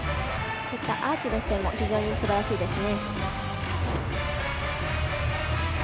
こういったアーチでも非常にすばらしいですね。